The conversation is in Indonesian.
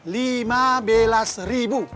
lima belas ribu